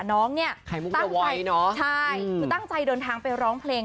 น้องเนี่ยไข่มุกเดี๋ยวไหวเนอะใช่คือตั้งใจเดินทางไปร้องเพลง